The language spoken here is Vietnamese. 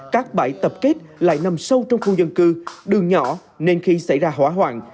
các bãi tập kết lại nằm sâu trong khu dân cư đường nhỏ nên khi xảy ra hỏa hoạn